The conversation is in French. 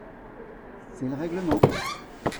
C’est le règlement.